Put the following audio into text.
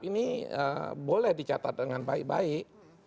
ini boleh dicatat dengan baik baik